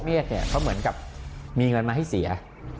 เมียดเขาเหมือนกับมีเงินมาให้เสีย